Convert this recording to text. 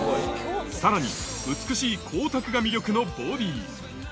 さらに、美しい光沢が魅力のボディー。